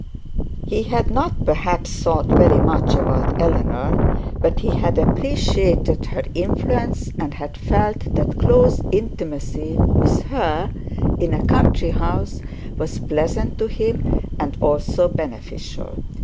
He had not perhaps thought very much about Eleanor, but he had appreciated her influence, and had felt that close intimacy with her in a country house was pleasant to him, and also beneficial.